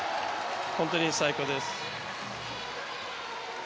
本当に最高です。